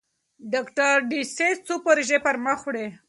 ډاکټر ډسیس څو پروژې پرمخ وړي.